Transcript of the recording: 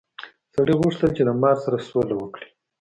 سړي غوښتل چې له مار سره سوله وکړي.